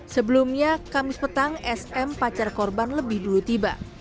sebelumnya kamis petang sm pacar korban lebih dulu tiba